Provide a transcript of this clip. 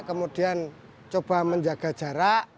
kemudian coba menjaga jarak